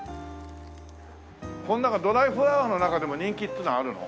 この中ドライフラワーの中でも人気っつうのはあるの？